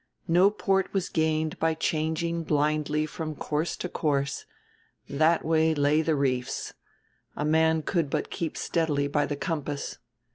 No port was gained by changing blindly from course to course, that way lay the reefs; a man could but keep steadily by the compass.